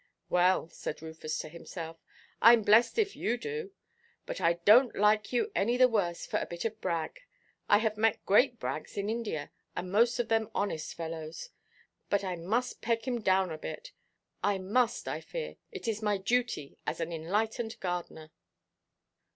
"Well," said Rufus to himself, "Iʼm blessed if you do. But I donʼt like you any the worse for a bit of brag. I have met great brags in India, and most of them honest fellows. But I must peg him down a bit. I must, I fear; it is my duty as an enlightened gardener."